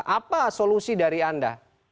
apa solusi dari anda